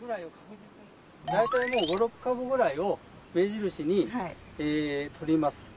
大体５６株ぐらいを目印にとります。